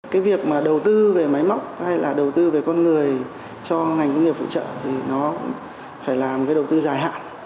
cái việc mà đầu tư về máy móc hay là đầu tư về con người cho ngành công nghiệp phụ trợ thì nó phải là một cái đầu tư dài hạn